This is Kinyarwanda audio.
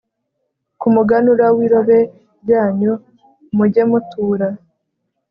ku muganura w irobe ryanyu mujye mutura